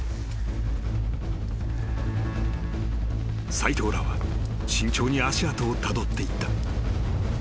［斎藤らは慎重に足跡をたどっていった］